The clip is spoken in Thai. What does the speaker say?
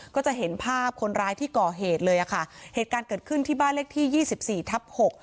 ก็จะเห็นภาพคนร้ายที่ก่อเหตุเลยอ่ะค่ะเหตุการณ์เกิดขึ้นที่บ้านเลขที่ยี่สิบสี่ทับหก